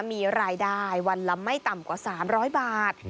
มีรายได้วันละไม่ต่ำกว่า๓๐๐บาท